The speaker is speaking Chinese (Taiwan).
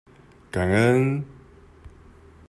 感恩！